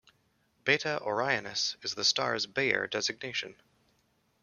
"Beta Orionis" is the star's Bayer designation.